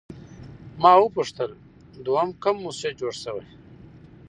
ما وپوښتل دوهم کوم مسجد جوړ شوی؟